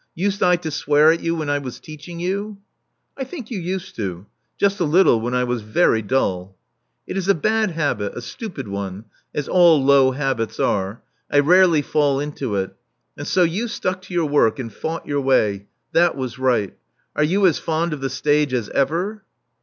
Used I to swear at you when I was teaching you?" I think you used to. Just a little, when I was very dull." It is a bad habit — a stupid one, as all low habits are. I rarely fall into it. And so you stuck to your work, and fought your way. That was right. Are you as fond of the stage as ever?"